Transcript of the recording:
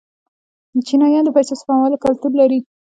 چینایان د پیسو سپمولو کلتور لري.